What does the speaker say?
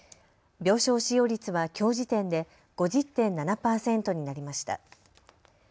病床使用率はきょう時点で５０．７％になりました。